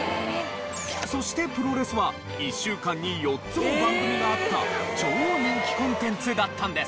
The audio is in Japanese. そしてプロレスは１週間に４つも番組があった超人気コンテンツだったんです。